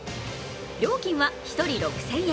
料金は１人６０００円。